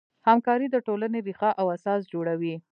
همکاري د ټولنې ریښه او اساس جوړوي.